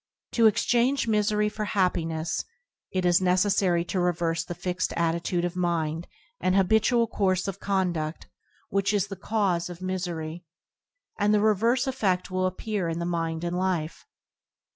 To exchange misery for happiness, it is necessary to re verse the fixed attitude of mind and habit ual course of condudl which is the cause of [«] a^an : tog of Q^mD misery, and the reverse effed will appear in the mind and life.